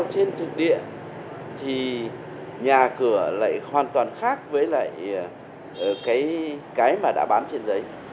trên trực điện thì nhà cửa lại hoàn toàn khác với lại cái mà đã bán trên giấy